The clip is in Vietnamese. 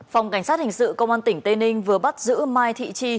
phòng cảnh sát hình sự công an tỉnh tây ninh vừa bắt giữ mai thị chi